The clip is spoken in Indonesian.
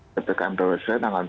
pt kmt wsj tanggal dua belas